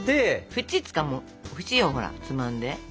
縁つかもう縁をほらつまんで。